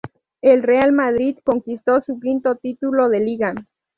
El Real Madrid conquistó su quinto título de liga.